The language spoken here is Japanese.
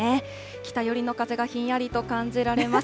北寄りの風がひんやりと感じられます。